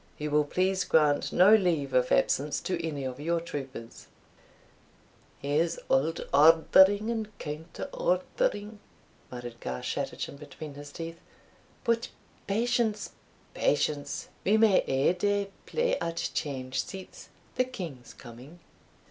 You will please grant no leave of absence to any of your troopers." "Here's auld ordering and counter ordering," muttered Garschattachin between his teeth. "But patience! patience! we may ae day play at change seats, the king's coming."